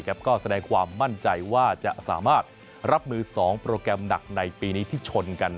ก็แสดงความมั่นใจว่าจะสามารถรับมือ๒โปรแกรมหนักในปีนี้ที่ชนกัน